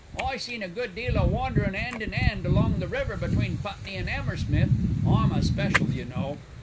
I seen a good deal o' wanderin' 'and in 'and along the river between Putney an' 'Ammersmith, I'm a special, you know.